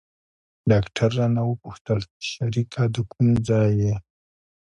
ډاکتر رانه وپوښتل شريکه د کوم ځاى يې.